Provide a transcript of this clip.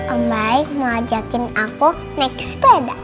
om bayi mau ajakin aku naik sepeda